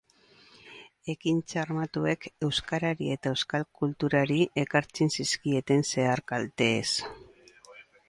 Ekintza armatuek euskarari eta euskal kulturari ekartzen zizkieten zehar-kalteez.